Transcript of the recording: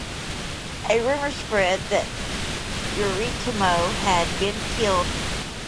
A rumor spread that Yoritomo had been killed.